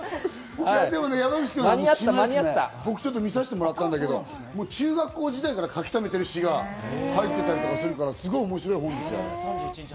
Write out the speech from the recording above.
でも山口君、僕、ちょっと見させてもらったんだけど、中学校時代から書き溜めてる詩が入っていたりとかするから、すごい面白い本ですよ。